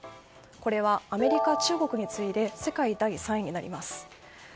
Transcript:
これはアメリカ、中国に次いで世界第３位になります。